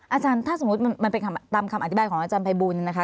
อาจารย์ถ้าสมมุติมันเป็นตามคำอธิบายของอาจารย์ภัยบุญนะคะ